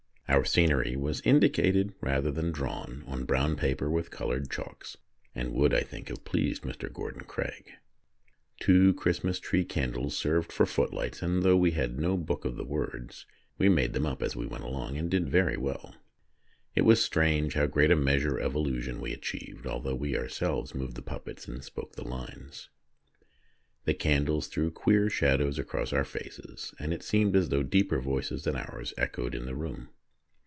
Our scenery was indicated rather than drawn on brown paper with coloured chalks, and would, I think, have pleased Mr. Gordon Craig. Two Christmas tree candles served for footlights, and, though we had no book of the words, we made them up as we went along, and did very well. It was strange how great a measure of illusion we achieved, although we ourselves moved the puppets and spoke their lines. The candles threw queer shadows across our faces, and it seemed as though deeper voices than ours echoed in the room.